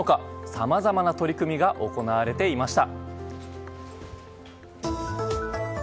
さまざまな取り組みが行われていました。